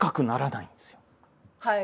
はい。